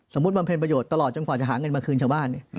บำเพ็ญประโยชน์ตลอดจนกว่าจะหาเงินมาคืนชาวบ้าน